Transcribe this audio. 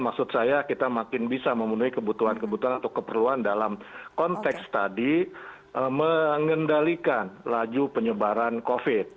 maksud saya kita makin bisa memenuhi kebutuhan kebutuhan atau keperluan dalam konteks tadi mengendalikan laju penyebaran covid